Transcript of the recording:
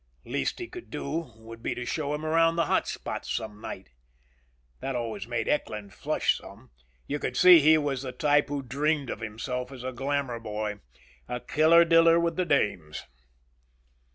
Least he could do would be to show him around the hot spots some night. That always made Eckland flush some; you could see he was the type who dreamed of himself as a glamor boy, a killer diller with the dames.